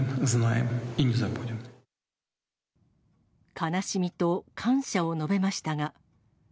悲しみと感謝を述べましたが。